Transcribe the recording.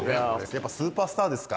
やっぱスーパースターですか？